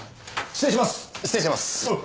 失礼します。